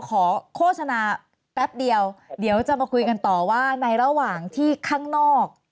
โฆษณาแป๊บเดียวเดี๋ยวจะมาคุยกันต่อว่าในระหว่างที่ข้างนอก